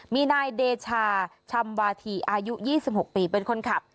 มีนายเดชาชำวาถีอายุยี่สิบหกปีเป็นคนขับ